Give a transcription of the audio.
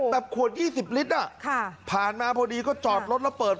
แบบขวด๒๐ลิตรหาผ่านมาพอดีก็จอดรถละเปิด